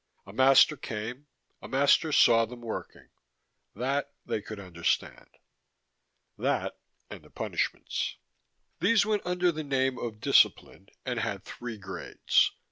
A master came, a master saw them working: that, they could understand. That and the punishments. These went under the name of discipline, and had three grades.